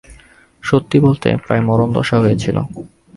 সত্যি বলতে, প্রায় মরণ দশা হয়েছিল।